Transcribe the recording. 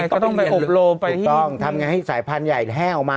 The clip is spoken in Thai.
ต้องไปอบโลไปให้ถูกต้องทำยังไงให้สายพันธุ์ใหญ่แห้ออกมา